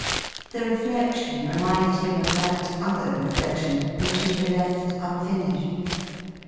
The reflection reminded him of that other reflection, which he had left unfinished.